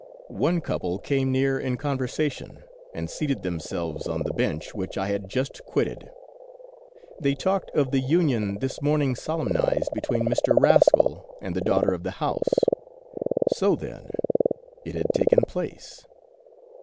One couple came near in conversation and seated themselves on the bench which I had just quitted. They talked of the union this morning solemnized between Mr. Rascal and the daughter of the house. So, then, it had taken place